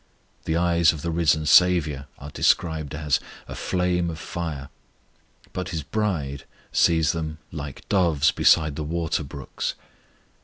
The eyes of the risen SAVIOUR are described as "a flame of fire," but His bride sees them "like doves beside the water brooks."